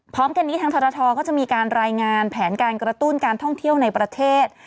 พร้อมกันนี้ทางทรทก็จะมีการรายงานแผนการกระตุ้นการท่องเที่ยวในประเทศ